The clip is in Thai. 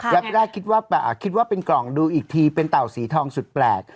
แรกคิดว่าคิดว่าเป็นกล่องดูอีกทีเป็นเต่าสีทองสุดแปลก